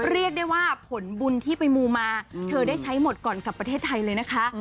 เรียกได้ว่าผลบุญที่ไปมูมาเธอได้ใช้หมดก่อนกลับประเทศไทยเลยนะคะ